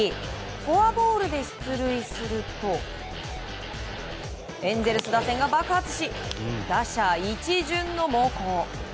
フォアボールで出塁するとエンゼルス打線が爆発し打者一巡の猛攻。